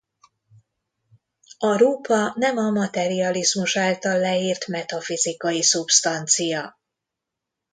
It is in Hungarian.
A rúpa nem a materializmus által leírt metafizikai szubsztancia.